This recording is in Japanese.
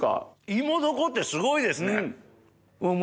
いも床ってすごいですね。